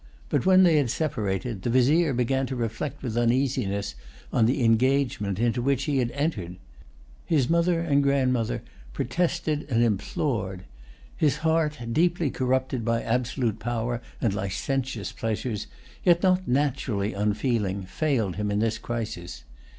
But when they had separated, the Vizier began to reflect with uneasiness on the engagement into which he had entered. His mother and grandmother[Pg 191] protested and implored. His heart, deeply corrupted by absolute power and licentious pleasures, yet not naturally unfeeling, failed him in this crisis.